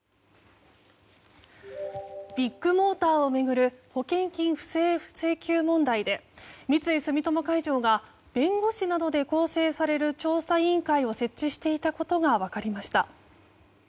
ビッグモーターを巡る保険金不正請求問題で三井住友海上が弁護士などで構成される調査委員会を設置していたことが分かりました。